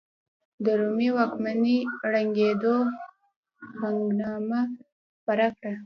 د رومي واکمنۍ ړنګېدو هنګامه خپره کړه.